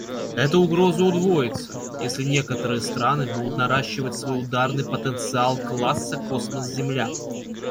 Эта угроза удвоится, если некоторые страны будут наращивать свой ударный потенциал класса "космос-земля".